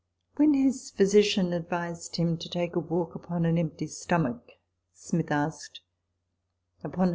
When his physician advised him to " take a walk upon an empty stomach," Smith asked, " Upon whose